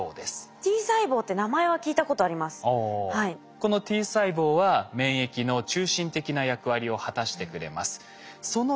このＴ細胞は免疫の中心的な役割を果たしてくれます。